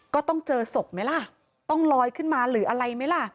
ก็ต้องเจอศพไหมล่ะต้องลอยขึ้นมาหรืออะไรไหมล่ะ